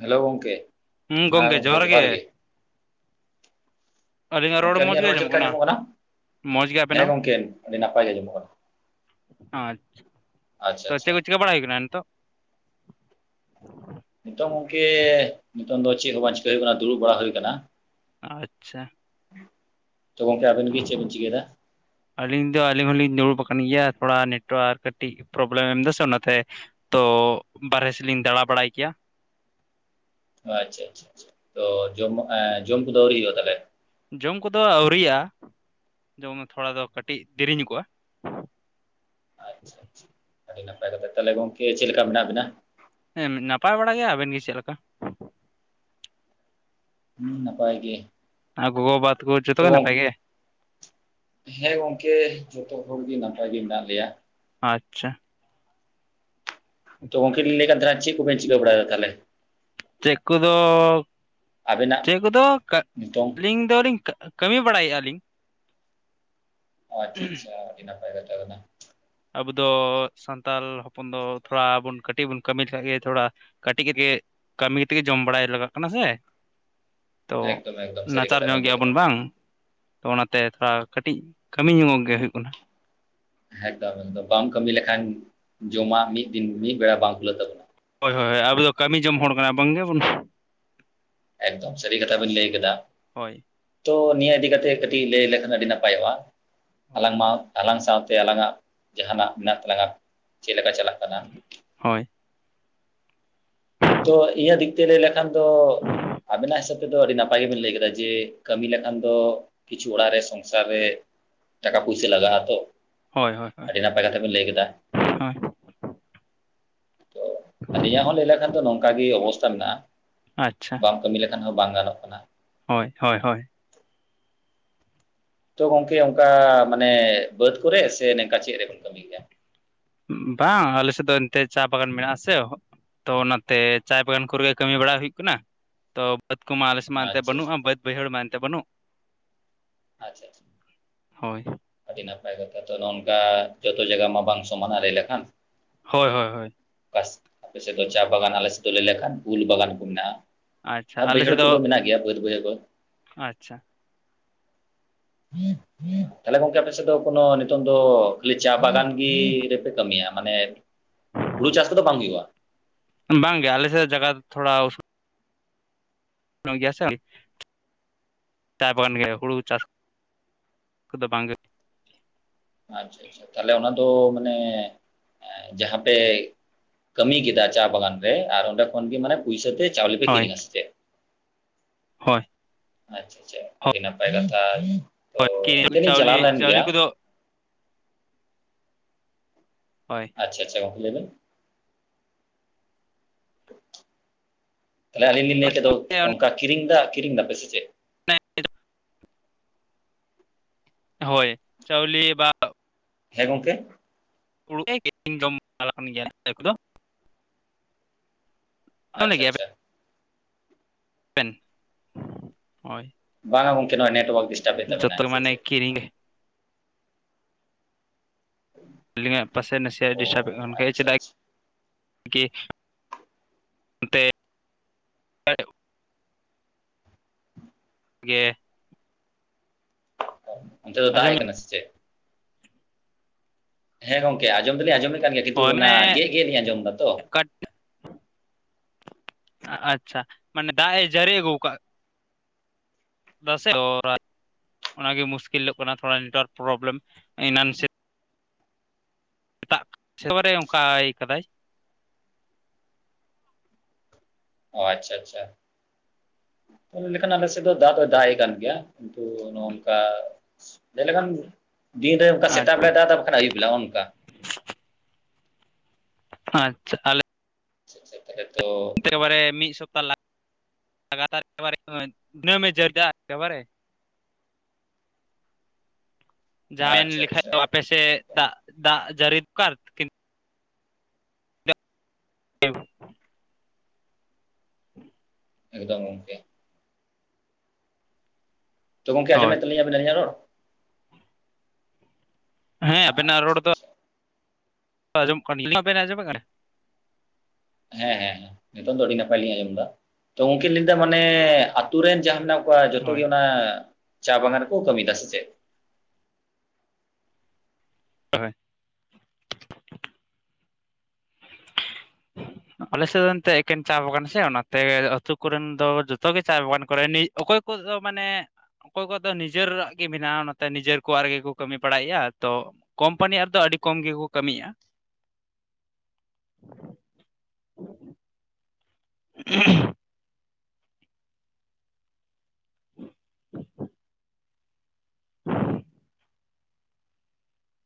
Hello ᱜᱚᱝᱠᱮ ᱦᱮᱸ ᱜᱚᱝᱠᱮ ᱡᱚᱦᱟᱨ ᱜᱮ ᱜᱚᱝᱠᱮ ᱟᱹᱞᱤᱧᱟᱜ ᱨᱚᱲ ᱪᱮᱫ ᱞᱮᱠᱟ ᱟᱸᱡᱚᱢᱚᱜ ᱠᱟᱱᱟ? ᱢᱚᱸᱡᱽ ᱜᱮ ᱟᱵᱮᱱ ᱦᱮᱸ ᱜᱚᱝᱠᱮ ᱟᱹᱰᱤ ᱱᱟᱯᱟᱭ ᱜᱮ ᱟᱸᱡᱚᱢᱚᱜ ᱠᱟᱱᱟ᱾ ᱟᱪᱪᱷᱟ ᱟᱪᱪᱷᱟ ᱛᱚ ᱪᱮᱫ ᱟᱪᱪᱷᱟ ᱠᱚ ᱪᱤᱠᱟᱹ ᱵᱟᱲᱟᱭ ᱦᱩᱭᱩᱜ ᱠᱟᱱᱟ ᱱᱤᱛᱚᱜ? ᱱᱤᱛᱚᱝ ᱜᱚᱝᱠᱮ ᱱᱤᱛᱚᱝ ᱫᱚ ᱪᱮᱫ ᱦᱚᱸ ᱵᱟᱝ ᱪᱤᱠᱟᱹᱭ ᱦᱩᱭᱩᱜ ᱠᱟᱱᱟ ᱫᱩᱲᱩᱵ ᱵᱟᱲᱟ ᱦᱩᱭ ᱠᱟᱱᱟ᱾ ᱟᱪᱪᱷᱟ ᱛᱚ ᱜᱚᱝᱠᱮ ᱟᱵᱤᱱ ᱜᱮ ᱪᱮᱫ ᱵᱮᱱ ᱪᱤᱠᱟᱹᱭᱫᱟ? ᱟᱹᱞᱤᱧ ᱫᱚ ᱟᱹᱞᱤᱧ ᱦᱚᱞᱤᱧ ᱫᱩᱲᱩᱵ ᱟᱠᱟᱱ ᱜᱮᱭᱟ ᱛᱷᱚᱲᱟ ᱱᱮᱴᱳᱣᱟᱨᱠ ᱠᱟᱹᱴᱤᱡ ᱯᱨᱚᱵᱞᱮᱢ ᱮᱢ ᱮᱫᱟ ᱚᱱᱟᱛᱮ ᱛᱚ ᱵᱟᱨᱦᱮ ᱥᱮᱫ ᱞᱤᱧ ᱫᱟᱬᱟ ᱵᱟᱲᱟᱭ ᱜᱮᱭᱟ ᱟᱪᱪᱷᱟ ᱟᱪᱪᱷᱟ ᱟᱪᱪᱷᱟ ᱛᱚ ᱡᱚᱢ ᱮᱸ ᱡᱚᱢ ᱠᱚᱫᱚ ᱟᱹᱣᱨᱤ ᱦᱩᱭᱩᱜᱼᱟ ᱛᱟᱞᱦᱮ? ᱡᱚᱢ ᱠᱚᱫᱚ ᱟᱣᱨᱤᱭᱟᱜ-ᱟ ᱡᱚᱢ ᱛᱷᱚᱲᱟ ᱫᱚ ᱠᱟᱹᱴᱤᱡ ᱫᱮᱨᱤ ᱧᱚᱜᱚᱜᱼᱟ᱾ ᱟᱪᱷᱟ ᱟᱪᱷᱟ ᱟᱹᱰᱤ ᱱᱟᱯᱟᱭ ᱠᱟᱛᱷᱟ, ᱛᱟᱦᱞᱮ ᱜᱚᱝᱠᱮ ᱪᱮᱫ ᱞᱮᱠᱟ ᱢᱮᱱᱟᱜ ᱵᱮᱱᱟ? ᱦᱮᱸ ᱱᱟᱯᱟᱭ ᱵᱟᱲᱟ ᱜᱮᱭᱟ, ᱟᱵᱮᱱ ᱜᱮ ᱪᱮᱫ ᱞᱮᱠᱟ? ᱦᱩᱸ ᱱᱟᱯᱟᱭ ᱜᱮ᱾ ᱟ ᱜᱚᱜᱚ ᱵᱟᱵᱟ ᱛᱟᱠᱚ ᱡᱚᱛᱚ ᱛᱚ ᱜᱮ ᱱᱟᱯᱟᱭ ᱜᱮ? ᱦᱮᱸ ᱜᱚᱝᱠᱮ ᱡᱚᱛᱚ ᱦᱚᱲᱜᱮ ᱱᱟᱯᱟᱭ ᱜᱮ ᱢᱮᱱᱟᱜ ᱞᱮᱭᱟ᱾ ᱟᱪᱪᱷᱟ᱾ ᱛᱚ ᱜᱚᱝᱠᱮ ᱞᱤᱧ ᱞᱟᱹᱭᱮᱫ ᱠᱟᱱ ᱛᱟᱦᱮᱱᱟ ᱛᱚᱵᱮ ᱪᱮᱫ ᱠᱚᱵᱮᱱ ᱪᱤᱠᱟᱹ ᱵᱟᱲᱟᱭ ᱫᱟ ᱛᱟᱦᱮᱞᱮ? ᱪᱮᱫ ᱠᱚᱫᱚ ᱟᱵᱮᱱᱟᱜ ᱪᱮᱫ ᱠᱚᱫᱚ ᱱᱤᱛᱚᱝ ᱠᱟᱹᱞᱤᱧ ᱫᱚᱞᱤᱧ ᱠᱟᱹᱢᱤ ᱵᱟᱲᱟᱭᱮᱫᱼᱟ ᱞᱤᱧ᱾ ᱟᱪᱪᱷᱟ ᱟᱪᱪᱷᱟ ᱟᱰᱤ ᱱᱟᱯᱟᱭ ᱠᱟᱛᱷᱟ ᱠᱟᱱᱟ᱾ ᱟᱵᱚ ᱫᱚ ᱥᱟᱱᱛᱟᱞ ᱦᱚᱯᱚᱱ ᱫᱚ ᱛᱷᱚᱲᱟ ᱵᱚᱱ ᱠᱟᱹᱴᱤᱡ ᱵᱚᱱ ᱠᱟᱹᱢᱤ ᱞᱮᱠᱷᱟᱡ ᱜᱮ ᱛᱷᱚᱲᱟ ᱠᱟᱹᱴᱤᱡ ᱠᱟᱹᱢᱤ ᱛᱮᱜᱮ ᱡᱚᱢ ᱵᱟᱲᱟᱭ ᱞᱟᱜᱟᱜ ᱠᱟᱱᱟ ᱥᱮ [inaudible] ᱛᱚ ᱮᱠᱫᱚᱢ ᱥᱟᱹᱨᱤ ᱱᱟᱪᱟᱨ ᱠᱟᱛᱷᱟ ᱧᱚᱜ ᱵᱮᱱ ᱞᱟᱹᱭ ᱠᱮᱫᱟ ᱜᱮᱭᱟᱵᱚᱱ ᱵᱟᱝ ᱛᱚ ᱚᱱᱟᱛᱮ ᱛᱷᱚᱲᱟ ᱠᱟᱹᱴᱤᱡ ᱠᱟᱹᱢᱤ ᱧᱚᱜᱚᱜ ᱜᱮ ᱦᱩᱭᱩᱜ ᱠᱟᱱᱟ᱾ ᱦᱮᱛᱚ ᱵᱟᱢ ᱠᱟᱹᱢᱤ ᱞᱮᱠᱷᱟᱱ ᱡᱚᱢᱟᱜ ᱢᱤᱫ ᱫᱤᱱ ᱢᱤᱫ ᱵᱮᱲᱟ ᱵᱟᱝ ᱠᱩᱞᱟᱹᱜ ᱛᱟᱵᱚᱱᱟ ᱦᱳᱭ ᱦᱳᱭ ᱟᱵᱚ ᱫᱚ ᱠᱟᱹᱢᱤ ᱡᱚᱢ ᱦᱚᱲ ᱠᱟᱱᱟ ᱵᱟᱝᱜᱮ ᱵᱚᱱ ᱮᱠᱫᱚᱢ ᱥᱟᱹᱨᱤ ᱠᱟᱛᱷᱟ ᱵᱮᱱ ᱞᱟᱹᱭ ᱠᱮᱫᱟ᱾ ᱦᱳᱭ ᱛᱚ ᱱᱤᱭᱟᱹ ᱤᱫᱤ ᱠᱟᱛᱮᱜ ᱠᱟᱹᱴᱤᱡ ᱞᱟᱹᱭ ᱞᱮᱠᱷᱟᱱ ᱟᱹᱰᱤ ᱱᱟᱯᱟᱭᱚᱜᱼᱟ ᱦᱳᱭ ᱟᱞᱟᱝᱢᱟ ᱟᱞᱟᱝ ᱥᱟᱶᱛᱮ ᱟᱞᱟᱝᱟᱜ ᱡᱟᱦᱟᱱᱟᱜ ᱢᱮᱱᱟᱜ ᱛᱟᱞᱟᱝᱟ ᱪᱮᱫ ᱞᱮᱠᱟ ᱪᱟᱞᱟᱜ ᱠᱟᱱᱟ? ᱦᱳᱭ ᱛᱚ ᱤᱭᱟᱹ ᱫᱤᱠ ᱛᱮ ᱞᱟᱹᱭ ᱞᱮᱠᱷᱟᱱ ᱫᱚ ᱟᱵᱮᱱᱟᱜ ᱦᱤᱥᱟᱹᱵ ᱛᱮᱫᱚ ᱟᱹᱰᱤ ᱱᱟᱯᱟᱭ ᱜᱮᱵᱮᱱ ᱞᱟᱹᱭ ᱠᱟᱫᱟ ᱡᱮ ᱠᱟᱹᱢᱤ ᱞᱮᱠᱷᱟᱱ ᱫᱚ ᱠᱤᱪᱷᱩ ᱚᱲᱟᱜ ᱨᱮ ᱥᱚᱝᱥᱟᱨ ᱨᱮ ᱴᱟᱠᱟ ᱯᱚᱭᱥᱟᱹ ᱞᱟᱜᱟᱜ-ᱟ ᱛᱚ ᱦᱳᱭ ᱦᱳᱭ ᱦᱳᱭ ᱟᱹᱰᱤ ᱱᱟ ᱠᱟᱛᱮᱷᱟ ᱯᱮ ᱞᱟᱹᱭ ᱠᱮᱫᱟ ᱦᱳᱭ ᱛᱚ ᱤᱧᱟᱹᱜ ᱦᱚᱸ ᱞᱟᱹᱭ ᱞᱮᱠᱷᱟᱱ ᱫᱚ ᱱᱚᱝᱠᱟ ᱜᱮ ᱚᱵᱚᱥᱛᱛᱟ ᱢᱮᱱᱟᱜᱼᱟ ᱟᱪᱪᱷᱟ ᱵᱟᱢ ᱠᱟᱹᱢᱤ ᱞᱮᱠᱷᱟᱱ ᱦᱚᱸ ᱵᱟᱝ ᱜᱟᱱᱚᱜ ᱠᱟᱱᱟ᱾ ᱦᱳᱭ ᱦᱳᱭ ᱦᱳᱭ ᱛᱚ ᱜᱚᱝᱠᱮ ᱚᱱᱠᱟ ᱢᱟᱱᱮ ᱵᱟᱹᱫᱽ ᱠᱚᱨᱮ ᱥᱮ ᱱᱚᱝᱠᱟ ᱪᱮᱫ ᱨᱮᱵᱚᱱ ᱠᱟᱹᱢᱤ ᱜᱮᱭᱟ? ᱵᱟᱝ ᱟᱞᱮᱥᱮᱫ ᱫᱚ ᱮᱱᱛᱮᱜ ᱪᱟ ᱵᱟᱜᱟᱱ ᱢᱮᱱᱟᱜ ᱟᱥᱮ ᱛᱚ ᱚᱱᱟᱛᱮ ᱪᱟᱭ ᱵᱟᱜᱟᱱ ᱠᱚᱨᱮ ᱠᱟᱹᱢᱤ ᱵᱟᱲᱟ ᱦᱩᱭᱩᱜ ᱠᱟᱱᱟ ᱛᱚ ᱵᱟᱹᱫᱽ ᱠᱚ ᱢᱟ ᱟᱞᱮᱥᱮᱡᱽ ᱢᱮᱱᱛᱮ ᱟᱪᱪᱷᱟ ᱵᱟᱹᱱᱩᱜᱼᱟ ᱟᱪᱪᱷᱟ ᱵᱟᱹᱫ ᱵᱟᱹᱭᱦᱟᱹᱲ ᱢᱮᱱᱟᱱᱛᱮ ᱵᱟᱹᱱᱩᱜ ᱟᱪᱪᱷᱟ ᱟᱪᱪᱷᱟ ᱦᱳᱭ ᱟᱹᱰᱤ ᱱᱟᱯᱟᱭ ᱠᱟᱛᱷᱟ ᱛᱚ ᱱᱚᱝᱠᱟ ᱡᱚᱛᱚ ᱡᱟᱭᱜᱟ ᱢᱟ ᱵᱟᱝ ᱥᱚᱢᱟᱱᱟ ᱞᱟᱹᱭ ᱞᱮᱠᱷᱟᱱ ᱦᱳᱭ ᱦᱳᱭ ᱦᱳᱭ ᱵᱟᱥ ᱟᱯᱮ ᱥᱮᱫ ᱫᱚ ᱪᱟ ᱵᱟᱜᱟᱱ ᱟᱞᱮ ᱥᱮᱫ ᱫᱚ ᱞᱟᱹᱭ ᱞᱮᱠᱷᱟᱱ ᱩᱞ ᱵᱟᱜᱟᱱ ᱠᱚ ᱢᱮᱱᱟᱜᱼᱟ ᱟᱪᱪᱷᱟ ᱟᱨ ᱟᱞᱮ ᱵᱟᱹᱭᱦᱟᱹᱲ ᱥᱮᱫ ᱠᱚᱫᱚ ᱫᱚ ᱢᱮᱱᱟᱜ ᱜᱮᱭᱟ ᱵᱟᱹᱫᱽ ᱵᱟᱹᱭᱦᱟᱹᱲ ᱠᱚ᱾ ᱟᱪᱪᱷᱟ [unintelligible] ᱛᱟᱦᱞᱮ ᱜᱚᱝᱠᱮ ᱟᱯᱮ ᱥᱮᱫ ᱫᱚ ᱠᱳᱱᱳ ᱱᱤᱛᱚᱝ ᱫᱚ ᱠᱷᱟᱹᱞᱤ ᱪᱟ ᱵᱟᱜᱟᱱ ᱜᱮ ᱨᱮᱯᱮ ᱠᱟᱹᱢᱤᱭᱟ ᱢᱟᱱᱮ ᱦᱩᱲᱩ ᱪᱟᱥ ᱠᱚ ᱫᱚ ᱵᱟᱝ ᱦᱩᱭᱩᱜᱼᱟ ᱵᱟᱝ ᱜᱮ ᱟᱞᱮᱥᱮᱫ ᱡᱟᱜᱟ ᱛᱷᱚᱲᱟ ᱜᱮᱭᱟ ᱥᱮ ᱪᱟ ᱵᱟᱜᱟᱱ ᱜᱮ ᱦᱩᱲᱩ ᱪᱟᱥ ᱠᱚᱫᱚ ᱵᱟᱝᱜᱮ ᱟᱪᱪᱷᱟ ᱟᱪᱪᱷᱟ ᱛᱟᱦᱞᱮ ᱚᱱᱟ ᱫᱚ ᱢᱟᱱᱮ ᱡᱟᱦᱟᱸ ᱯᱮ ᱠᱟᱹᱢᱤ ᱠᱮᱫᱟ ᱪᱟ ᱵᱟᱜᱟᱱ ᱨᱮ ᱟᱨ ᱚᱸᱰᱮ ᱠᱷᱚᱱᱜ ᱢᱟᱱᱮ ᱯᱩᱭᱥᱟᱹᱛᱮ ᱪᱟᱣᱞᱮ ᱯᱮ ᱦᱳᱭ ᱠᱤᱨᱤᱟ ᱥᱮ ᱪᱮᱫ ᱦᱳᱭ ᱟᱪᱪᱷᱟ ᱟᱪᱪᱷᱟ ᱟᱹᱰᱤ ᱱᱟᱯᱟᱭ ᱠᱟᱛᱷᱟ ᱛᱚ ᱚᱱᱛᱮ ᱦᱳᱭ ᱞᱤᱧ ᱪᱟᱞᱟᱣ ᱪᱟᱣᱞᱮ ᱞᱮᱱ ᱜᱮᱭᱟ ᱪᱟᱣᱞᱮ ᱠᱚᱫᱚ ᱦᱳᱭ ᱟᱪᱪᱷᱟ ᱟᱪᱪᱷᱟ ᱜᱚᱢᱠᱮ ᱞᱟᱹᱭᱵᱮᱱ ᱛᱟᱦᱚᱞᱮ ᱟᱹᱞᱤᱧ ᱞᱤᱧ ᱞᱟᱹᱭ ᱠᱮᱫᱟ ᱚᱱᱠᱟ ᱠᱤᱨᱤᱧ ᱮᱫᱟ ᱠᱤᱨᱤᱧ ᱫᱟ ᱯᱮᱥᱮ ᱪᱮᱫ? [unintelligible] ᱦᱳᱭ ᱪᱟᱣᱞᱤ ᱵᱟ ᱦᱮᱸ ᱜᱚᱢᱠᱮ ᱩᱲᱩᱜ [unintelligible] ᱮᱧ ᱡᱚᱢ ᱵᱟᱲᱟ ᱠᱟᱱ ᱜᱮᱭᱟ ᱟ ᱠᱚᱫᱚ ᱡᱚᱢ ᱟᱪᱪᱷᱟ ᱜᱮᱭᱟ ᱟᱪᱪᱷᱟ [unintelligible] ᱵᱟᱝ ᱜᱚᱝᱠᱮ ᱱᱚᱣᱟ ᱱᱮᱴᱣᱟᱨᱠ ᱰᱤᱥᱴᱟᱵᱮᱫ ᱛᱟᱵᱮᱱᱟ ᱡᱚᱛᱚ ᱥᱮ ᱢᱟᱱᱮ ᱪᱮᱫ ᱠᱤᱨᱤᱧ ᱜᱮ ᱟᱹᱞᱤᱧᱟᱜ ᱯᱟᱥᱮ ᱱᱟᱥᱮ ᱚ ᱰᱤᱥᱴᱟᱵᱮᱫ ᱠᱟᱱ ᱜᱮ ᱟᱪᱪᱷᱟ ᱪᱮᱫᱟᱜ ᱟᱪᱪᱷᱟ ᱠᱤ ᱛᱮ [unintelligible] ᱜᱮ ᱚᱱᱛᱮ ᱫᱚ ᱫᱟᱜ ᱟᱸᱡᱚᱢ ᱮᱜ ᱠᱟᱱᱟ ᱥᱮ ᱪᱮᱫ ᱦᱮᱸ ᱜᱚᱝᱠᱮ ᱟᱸᱚᱢ ᱫᱚᱞᱤᱧ ᱟᱸᱚᱢᱮᱫ ᱠᱟᱱ ᱜᱮᱭᱟ ᱠᱤᱱᱛᱩ ᱦᱳᱭ ᱚᱱᱟ ᱢᱟᱱᱮ ᱜᱮᱫ ᱜᱮᱫ ᱞᱤᱧ ᱟᱸᱚᱢ ᱮᱫᱟ ᱛᱚ ᱟᱪᱪᱷᱟ ᱢᱟᱱᱮ ᱫᱟᱭ ᱡᱟᱨᱤ ᱠᱟᱜ-ᱟ ᱚᱱᱟᱜᱮ [unintelligible] ᱢᱩᱥᱠᱤᱞᱚᱜ ᱠᱟᱱᱟ ᱛᱷᱚᱲᱟ ᱱᱮᱴᱣᱟᱨᱠ ᱯᱨᱚᱵᱞᱮᱢ ᱮᱱᱟᱱ ᱥᱮᱫ ᱫᱟᱜ ᱥᱮᱛᱟᱝ ᱨᱮ ᱚᱱᱠᱟᱭ ᱤᱭᱟ ᱠᱟᱫᱟᱭ ᱚ ᱟᱪᱪᱷᱟ ᱟᱪᱪᱷᱟ ᱞᱮᱠᱷᱟᱱ ᱟᱞᱮ ᱥᱮᱫ ᱫᱚ ᱫᱟᱜ ᱫᱚᱭ ᱫᱟᱜ ᱮ ᱠᱟᱱ ᱜᱮᱭᱟ ᱠᱤᱱᱛᱩ ᱱᱚᱜᱼ ᱱᱚᱝᱠᱟ ᱡᱮᱞᱮᱠᱷᱟᱱ ᱫᱤᱱᱨᱮ ᱚᱱᱠᱟ ᱥᱮᱛᱟᱜ ᱵᱮᱞᱟ ᱫᱟᱜ ᱮᱫᱟ ᱵᱟᱠᱷᱟᱱ ᱟᱹᱭᱩᱵ ᱵᱮᱞᱟᱜᱼ ᱱᱚᱝᱠᱟ ᱟᱪᱪᱷᱟ ᱛᱟᱦᱞᱮ ᱦᱤᱥᱟᱵ ᱠᱟᱛᱮ ᱛᱚ ᱮᱠᱮᱵᱟᱨᱮ ᱢᱤᱫ ᱥᱚᱯᱛᱟ ᱞᱟᱜᱟᱛᱟᱨ ᱮᱠᱮᱵᱟᱨᱮ ᱫᱤᱱᱟᱹᱢᱮ ᱡᱟᱹᱨᱡᱟᱜᱼᱟ ᱮᱠᱮᱵᱟᱨᱮ। ᱡᱟᱣᱟᱭᱮᱱ ᱟᱪᱪᱷᱟ ᱞᱮᱠᱷᱟᱡ ᱫᱚ ᱟᱪᱪᱷᱟ ᱟᱯᱮ ᱥᱮᱫ ᱫᱟᱜ ᱫᱟᱜ ᱡᱟᱲᱤ ᱫᱚᱠᱟᱫ [unintelligible] [inaudible] ᱮ ᱫᱚᱢ ᱜᱚᱝᱠᱮ ᱾ ᱛᱚ ᱜᱚᱝᱠᱮ ᱟᱡᱚᱢ ᱦᱳᱭ ᱮᱫ ᱛᱟᱞᱤᱧ ᱟᱵᱤᱱ ᱟᱞᱤᱧᱟᱠ ᱨᱚᱲ? ᱦᱮᱸ ᱟᱵᱮᱱᱟᱜ ᱟᱪᱪᱷᱟ ᱨᱚᱲ ᱫᱚ ᱼᱼ ᱟᱪᱪᱷᱟ ᱚᱢᱚᱢ ᱠᱟᱱᱜᱮᱭᱟ, ᱤᱧᱟᱜ ᱵᱤᱱ ᱟᱡᱚᱢ ᱮᱫ ᱠᱟᱱᱟ ᱦᱮᱸ ᱦᱮᱸ ᱱᱤᱛᱚᱝ ᱫᱚ ᱟᱹᱰᱤ ᱱᱟᱯᱟᱭ ᱞᱤᱧ ᱟᱸᱡᱚᱢ ᱫᱟ, ᱛᱚ ᱜᱚᱝᱠᱮ ᱞᱟᱹᱭᱫᱟ ᱢᱟᱱᱮ ᱟᱛᱩ ᱨᱮᱱ ᱡᱟ ᱢᱮᱱᱟᱜ ᱠᱚᱣᱟ ᱡᱚᱛᱚ ᱦᱳᱭ ᱜᱮ ᱚᱱᱟ ᱪᱟ ᱵᱟᱜᱟᱱ ᱨᱮᱠᱚ ᱠᱟᱹᱢᱤᱭᱮᱫᱟ ᱥᱮ ᱪᱮᱫ? ᱦᱳᱭ ᱾ [inaudible] ᱟᱞᱮᱥᱮᱱ ᱛᱮ ᱮᱠᱮᱱ ᱪᱟ ᱵᱟᱜᱟᱱ ᱥᱮ ᱚᱱᱟ ᱛᱮ, ᱟᱹᱛᱩ ᱠᱚᱨᱮᱱ ᱫᱚ ᱡᱚᱛᱳ ᱜᱮ ᱪᱟ ᱵᱟᱜᱟᱱ ᱠᱚᱨᱮ ᱱᱤᱡ ᱚᱠᱚᱭ ᱠᱚᱫᱳ ᱢᱟᱱᱮ ᱚᱠᱚᱭ ᱠᱚᱣᱟᱜ ᱫᱚ ᱱᱤᱡᱮᱨᱟᱜ ᱜᱮ ᱢᱮᱱᱟᱜᱼᱟ ᱱᱚᱛᱮ ᱱᱤᱡᱮᱨ ᱠᱚᱣᱟᱜ ᱨᱮᱜᱮ ᱠᱚ ᱠᱟᱹᱢᱤ ᱵᱟᱲᱟᱭᱮᱫᱼᱟ ᱛᱚ ᱠᱳᱢᱯᱟᱱᱤ ᱨᱮᱭᱟᱜ ᱫᱚ ᱟᱹᱰᱤ ᱠᱚᱢ ᱜᱮᱠᱚ ᱠᱟᱹᱢᱤᱭᱟ [inaudible] [unintelligible] [inaudible] [inaudible]